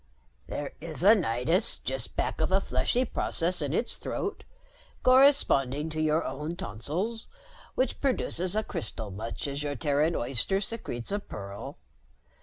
"There is a nidus just back of a fleshy process in its throat, corresponding to your own tonsils, which produces a crystal much as your Terran oyster secretes a pearl.